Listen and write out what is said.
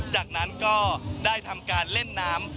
จากนั้นก็ได้ทำการเล่นน้ำ